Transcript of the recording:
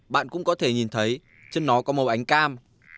bạn cũng có thể nhìn thấy trên nó có màu ánh cam